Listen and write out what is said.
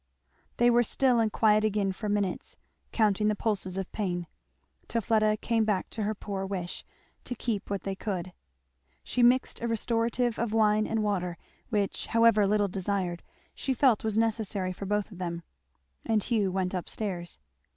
They were still and quiet again for minutes, counting the pulses of pain; till Fleda came back to her poor wish "to keep what they could." She mixed a restorative of wine and water, which however little desired, she felt was necessary for both of them, and Hugh went up stairs.